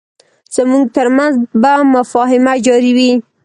زموږ ترمنځ به مفاهمه جاري وي.